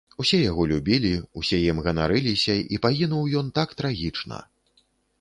Усе яго любілі, усе ім ганарыліся, і пагінуў ён так трагічна.